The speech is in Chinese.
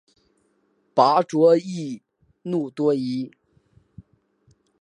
拔灼易怒多疑。